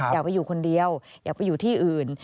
อยากไปอยู่คนเดียวอยากไปอยู่ที่อื่น